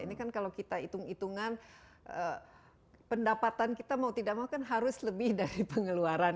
ini kan kalau kita hitung hitungan pendapatan kita mau tidak mau kan harus lebih dari pengeluaran